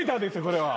これは。